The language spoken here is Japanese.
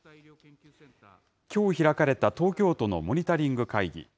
きょう開かれた東京都のモニタリング会議。